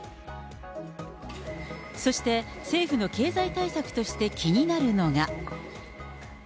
そして、政府の経済対策として気になるのが。